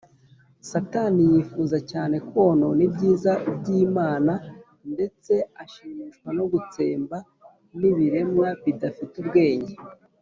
satani yifuza cyane konona ibyiza by’imana, ndetse ashimishwa no gutsemba n’ibiremwa bidafite ubwenge